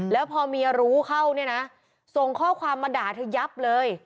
แล้วพอเมียรู้เข้าเนี่ยนะส่งข้อความมาด่าเธอยับเลย